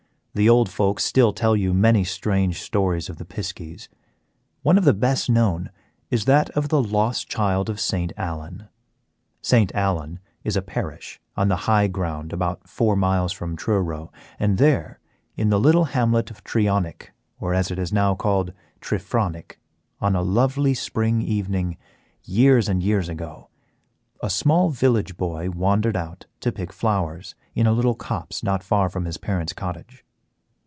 The old folk will still tell you many strange stories of the piskies. One of the best known is that of the lost child of St. Allen. St. Allen is a parish on the high ground about four miles from Truro, and there, in the little hamlet of Treonike, or, as it is now called, Trefronick, on a lovely spring evening years and years ago, a small village boy wandered out to pick flowers in a little copse not far from his parents' cottage.